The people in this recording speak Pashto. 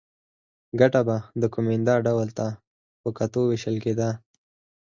ګټه به د کومېندا ډول ته په کتو وېشل کېده